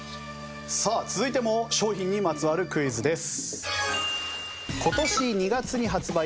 さあ続いても商品にまつわるクイズです。